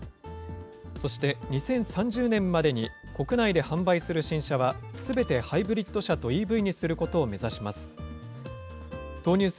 そして、２０３０年までに、国内で販売する新車は、すべてハイブリッド車とＥＶにすることを目指します。